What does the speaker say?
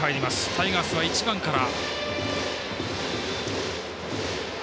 タイガースは１番から。